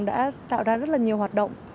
đã tạo ra rất là nhiều hoạt động